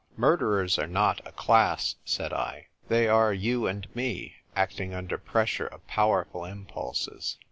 " "Murderers are not a class," said I. "They are you and me, acting under pressure of powerful impulses."